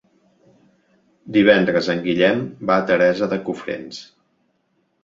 Divendres en Guillem va a Teresa de Cofrents.